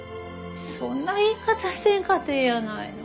そんな言い方せんかてええやないの。